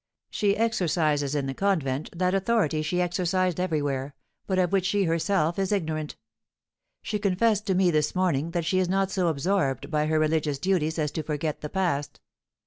She exercises in the convent that authority she exercised everywhere, but of which she herself is ignorant. She confessed to me this morning that she is not so absorbed by her religious duties as to forget the past.